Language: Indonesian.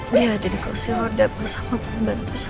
dia ada di kursi horda bersama pembantu saya